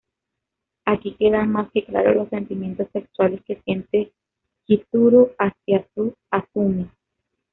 Aquí quedan más que claros los sentimientos sexuales que siente Chizuru hacia su Azumi.